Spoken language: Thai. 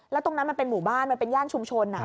แล้วตรงนั้นมันเป็นหมู่บ้านมันเป็นย่านชุมชน